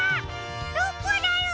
どこだろう？